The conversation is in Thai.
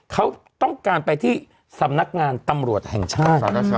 เขาต้องการไปที่สำนักงานตำรวจแห่งชาติ